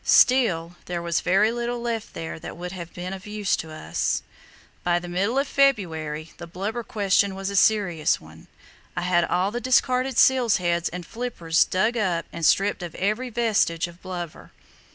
Still, there was very little left there that would have been of use to us. By the middle of February the blubber question was a serious one. I had all the discarded seals' heads and flippers dug up and stripped of every vestige of blubber.